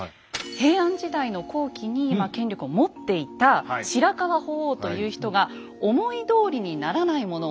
平安時代の後期に権力を持っていた白河法皇という人が思いどおりにならないもの